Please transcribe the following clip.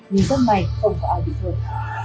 vì giấc mạnh không có ai bị thương